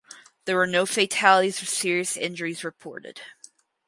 There were no fatalities or serious injuries reported.